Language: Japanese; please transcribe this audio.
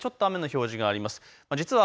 千葉県内ちょっと雨の表示があります。